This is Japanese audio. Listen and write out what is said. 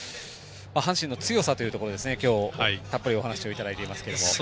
阪神の強さというところ今日、たっぷりお話をいただいていますけれども。